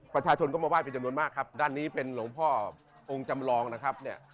ประชาชนก็มาไห้เป็นจำนวนมากครับด้านนี้เป็นหลวงพ่อองค์จำลองนะครับเนี่ย